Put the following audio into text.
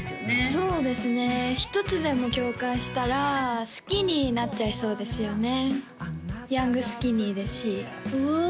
そうですね一つでも共感したら好きにーなっちゃいそうですよねヤングスキニーですしおお？